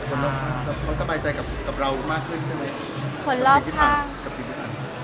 คนรอบข้างคุณก็ใบใจกับเรามากขึ้นใช่ไหม